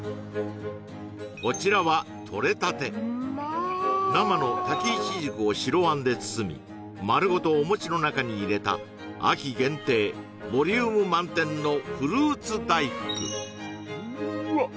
こちらはとれたて生の多伎いちじくを白餡で包み丸ごとお餅の中に入れた秋限定ボリューム満点のフルーツ大福うーわっ